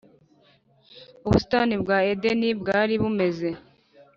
ubusitani bwa edeni bwari bumeze